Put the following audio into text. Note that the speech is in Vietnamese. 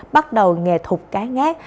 bắt đầu nghề thục cá ngát